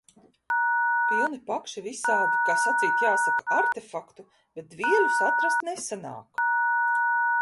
Pilni pakši visādu, kā sacīt jāsaka, artefaktu, bet dvieļus atrast nesanāk!